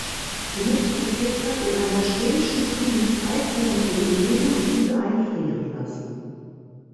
Sie möchte sich deshalb in einer schwedischen Klinik Eizellen entnehmen und diese einfrieren lassen.